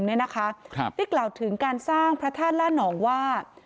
ได้กล่าวถึงการสร้างพระธาตุล่านองว่า